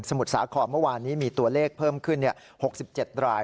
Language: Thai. มุทรสาครเมื่อวานนี้มีตัวเลขเพิ่มขึ้น๖๗ราย